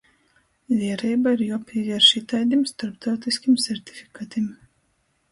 Viereiba ir juopīvierš itaidim storptautyskim sertifikatim.